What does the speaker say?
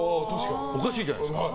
おかしいじゃないですか。